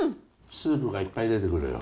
スープがいっぱい出てくるよ。